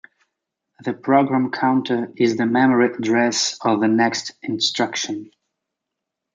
The program counter is the memory address of the next instruction.